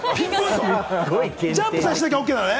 ジャンプしなきゃＯＫなのね？